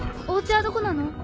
お家はどこなの？